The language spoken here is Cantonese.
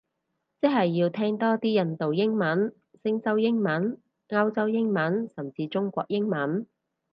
即係要聽多啲印度英文，星洲英文，歐洲英文，甚至中國英文